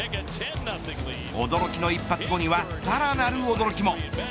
驚きの一発後にはさらなる驚きも。